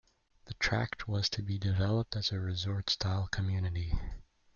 The tract was to be developed as a resort-style community.